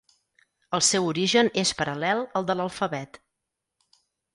El seu origen és paral·lel al de l'alfabet.